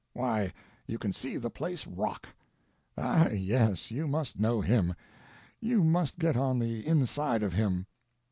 Why you can see the place rock! Ah, yes, you must know him; you must get on the inside of him.